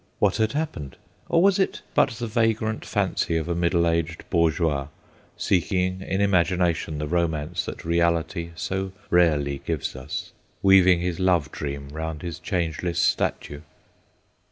What had happened? Or was it but the vagrant fancy of a middle aged bourgeois seeking in imagination the romance that reality so rarely gives us, weaving his love dream round his changeless statue?